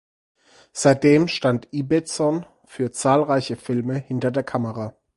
Seitdem stand Ibbetson für zahlreiche Filme hinter der Kamera.